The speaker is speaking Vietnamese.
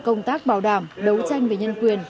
công tác bảo đảm đấu tranh về nhân quyền